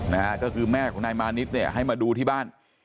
นะฮะก็คือแม่ของนายมานิดเนี่ยให้มาดูที่บ้าน